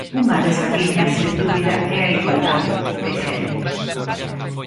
"Unha desas liñas, sen dúbida é a igualdade" de xénero.